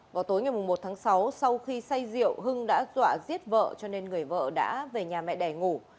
vào tối ngày một tháng sáu sau khi say rượu hưng đã dọa giết vợ cho nên người vợ đã về nhà mẹ đẻ ngủ